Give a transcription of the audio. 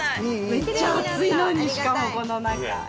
めっちゃ暑いのにしかもこの中。